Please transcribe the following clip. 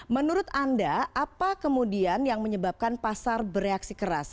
menurut anda apa kemudian yang menyebabkan pasar bereaksi keras